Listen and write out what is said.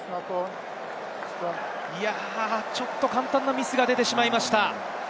ちょっと簡単なミスが出てしまいました。